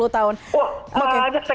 wah makanya sekarang saya belajar